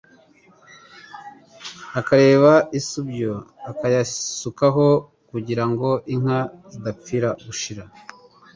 akareba n’isubyo akayasukaho, kugira ngo inka zidapfira gushira